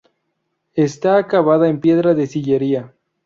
Está acabada en piedra de sillería.